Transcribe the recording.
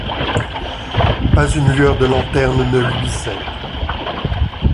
Pas une lueur de lanterne ne luisait.